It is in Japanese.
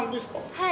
はい。